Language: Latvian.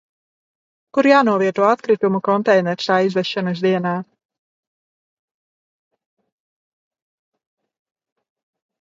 Kur jānovieto atkritumu konteiners tā izvešanas dienā?